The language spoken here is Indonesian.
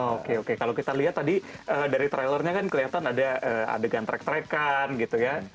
oke oke kalau kita lihat tadi dari trailernya kan kelihatan ada adegan track trackan gitu ya